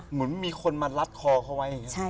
เหมือนมีคนมารัดคอเขาไว้